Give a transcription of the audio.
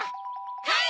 はい！